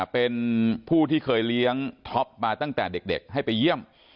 เป็นผู้ที่เคยเลี้ยงท็อปมาตั้งแต่เด็กให้ไปเยี่ยม